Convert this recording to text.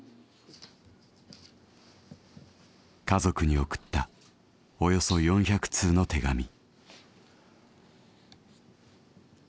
家族に送ったおよそ４００通の手紙。